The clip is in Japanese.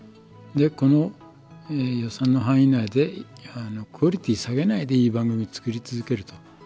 この予算の範囲内でクオリティー下げないでいい番組を作り続けると。